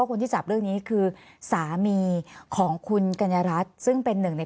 คนที่จับเรื่องนี้คือสามีของคุณกัญญารัฐซึ่งเป็นหนึ่งใน